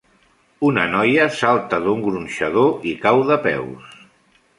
Una noia salta d'un gronxador i cau de peus